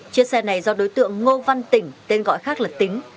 chiếc xe này do đối tượng ngô văn tỉnh tên gọi khác là tính